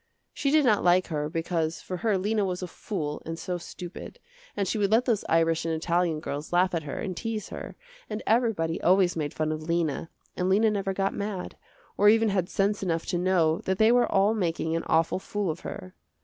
She did not like her because for her Lena was a fool and so stupid, and she would let those Irish and Italian girls laugh at her and tease her, and everybody always made fun of Lena, and Lena never got mad, or even had sense enough to know that they were all making an awful fool of her.